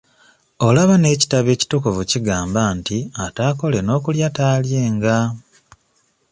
Olaba n'ekitabo ekitukuvu kigamba nti ataakole n'okulya taalyenga.